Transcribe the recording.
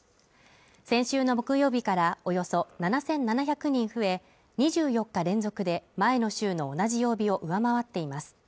先週の木曜日からおよそ７７００人増え、２４日連続で前の週の同じ曜日を上回っています。